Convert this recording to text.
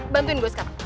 bantuin gue sekali